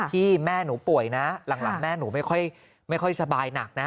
พี่แม่หนูป่วยนะหลังหลังแม่หนูไม่ค่อยไม่ค่อยสบายหนักนะ